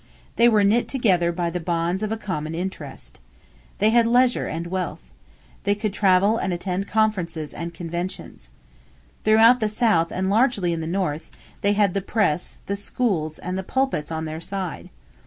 They were knit together by the bonds of a common interest. They had leisure and wealth. They could travel and attend conferences and conventions. Throughout the South and largely in the North, they had the press, the schools, and the pulpits on their side.